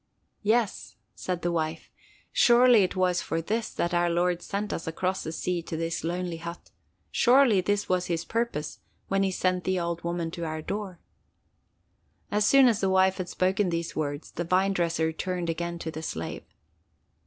"Yes," said the wife, "surely it was for this that our Lord sent us across the sea to this lonely hut. Surely this was His purpose when He sent the old woman to our door." As soon as the wife had spoken these words, the vine dresser turned again to the slave.